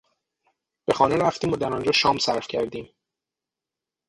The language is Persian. به خانه رفتیم و در آنجا شام صرف کردیم.